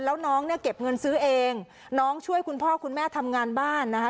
แล้วน้องเนี่ยเก็บเงินซื้อเองน้องช่วยคุณพ่อคุณแม่ทำงานบ้านนะคะ